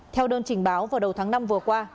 theo đơn trình báo vào đầu tháng năm vừa qua